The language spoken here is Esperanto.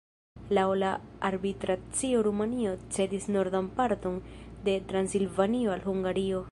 Laŭ la arbitracio Rumanio cedis nordan parton de Transilvanio al Hungario.